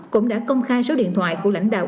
cũng đã công khai số điện thoại của lãnh đạo